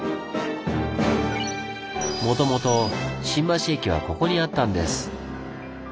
もともと新橋駅はここにあったんです。